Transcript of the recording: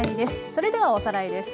それではおさらいです。